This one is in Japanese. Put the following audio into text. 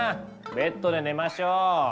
ベッドで寝ましょ。